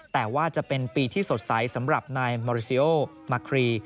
แต่ว่าจะเป็นปีที่สดใสสำหรับนายมาริเซียโอมาครี